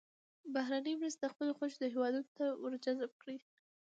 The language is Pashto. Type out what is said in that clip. بهرنۍ مرستې د خپلې خوښې هېوادونو ته ور جذب کړي.